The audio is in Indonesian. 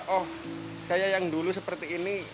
oh saya yang dulu seperti ini